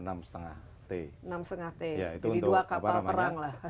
jadi dua kapal perang lah